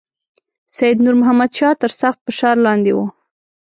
سید نور محمد شاه تر سخت فشار لاندې وو.